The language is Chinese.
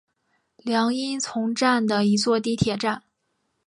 凉荫丛站的一座地铁站。